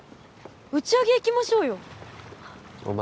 打ち上げいきましょうよお前